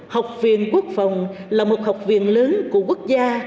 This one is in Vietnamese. học viện quốc phòng là một học viện lớn của quốc gia